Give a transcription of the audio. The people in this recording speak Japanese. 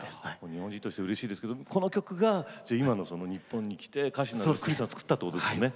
日本人としてうれしいですけどこの曲が今の日本に来て歌手のクリスさんを作ったということですもんね。